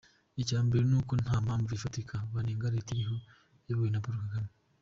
Icyambere n’uko ntampamvu ifatika banenga Leta iriho iyobowe na Paul Kagame.